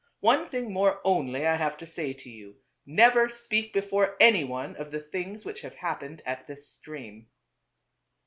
One thing more only, I have to say to you — never speak before any one of the things which have happened at this stream."